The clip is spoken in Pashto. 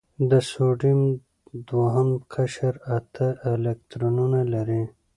د سوډیم دوهم قشر اته الکترونونه لري.